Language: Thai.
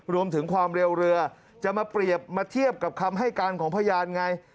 ความเร็วเรือจะมาเปรียบมาเทียบกับคำให้การของพยานไง